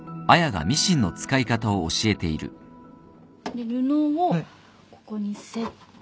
で布をここにセットして。